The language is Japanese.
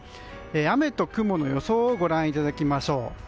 雨と雲の予想をご覧いただきましょう。